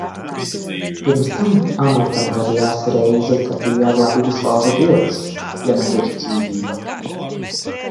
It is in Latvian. Pirms tam Anūtam gadījās reize, kad bija jāglābj Visvalža gods, ja ne gluži dzīvība.